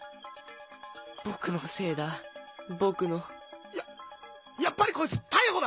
僕のせいだ僕の。ややっぱりこいつ逮捕だ！